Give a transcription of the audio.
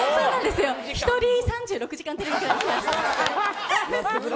１人、３６時間テレビです。